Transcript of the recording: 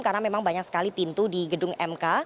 karena memang banyak sekali pintu di gedung mk